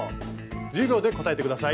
１０秒で答えて下さい。